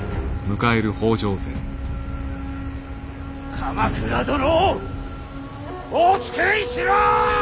鎌倉殿をお救いしろ！